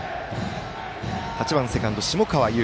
８番セカンド下川優。